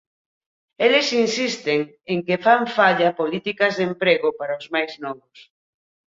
Eles insisten en que fan falla políticas de emprego para os máis novos.